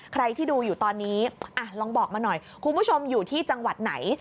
ใครที่ดูอยู่ตอนนี้ลองบอกมาหน่อยคุณผู้ชมอยู่ที่จังหวัดไหน